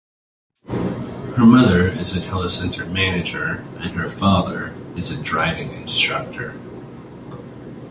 Her mother is a telecentre manager and her father is a driving instructor.